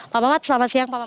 pak mamat selamat siang